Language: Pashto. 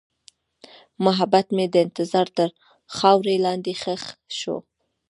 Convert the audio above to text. محبت مې د انتظار تر خاورې لاندې ښخ شو.